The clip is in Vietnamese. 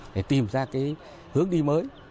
để tìm ra cái hướng đi mới